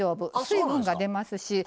水分が出ますし。